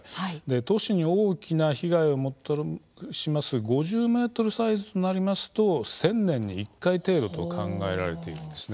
都市に大きな被害をもたらす５０ｍサイズとなりますと１０００年に１回程度と考えられています。